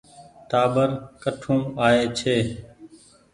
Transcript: ٽآٻر ڪٺون آئي ڇي۔